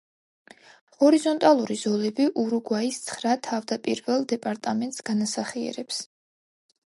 ჰორიზონტალური ზოლები ურუგვაის ცხრა თავდაპირველ დეპარტამენტს განასახიერებს.